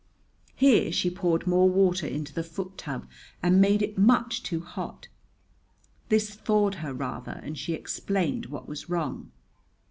Here she poured more water into the foot tub and made it much too hot. This thawed her rather, and she explained what was wrong.